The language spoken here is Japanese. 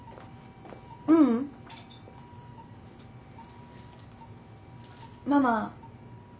ううん。ママ。